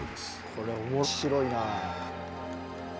これ面白いな。